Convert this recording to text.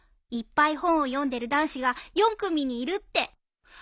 いっぱい本を読んでる男子が４組にいるって。